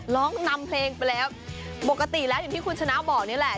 ร้องนำเพลงไปแล้วปกติแล้วอย่างที่คุณชนะบอกนี่แหละ